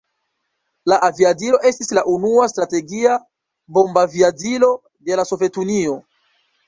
La aviadilo estis la unua strategia bombaviadilo de la Sovetunio.